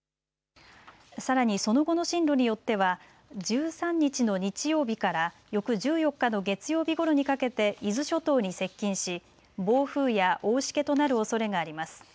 さらにその後の進路によっては１３日の日曜日から翌１４日の月曜日ごろにかけて伊豆諸島に接近し、暴風や大しけとなるおそれがあります。